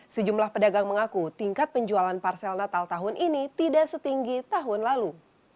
sejumlah pedagang mengaku tingkat penjualan parsel natal tahun ini tidak setinggi tahun lalu